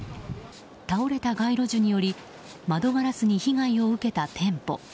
倒れた街路樹により窓ガラスに被害を受けた店舗。